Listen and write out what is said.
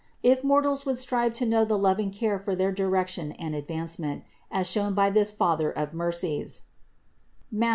If mortals would strive to know the loving care for their direction and advancement, as shown by this Father of mercies (Matth.